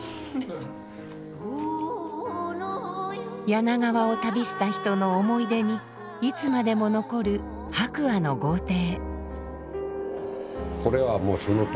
柳川を旅した人の思い出にいつまでも残る白亜の豪邸。